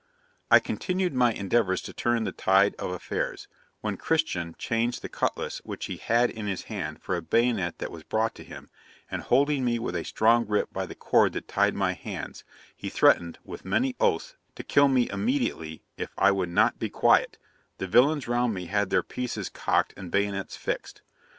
] 'I continued my endeavours to turn the tide of affairs, when Christian changed the cutlass which he had in his hand for a bayonet that was brought to him, and holding me with a strong grip by the cord that tied my hands, he threatened, with many oaths, to kill me immediately, if I would not be quiet; the villains round me had their pieces cocked and bayonets fixed.